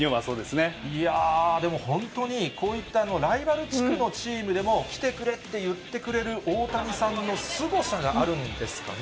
いやー、でも本当に、こういったライバル地区のチームでも来てくれって言ってくれる大谷さんのすごさがあるんですかね。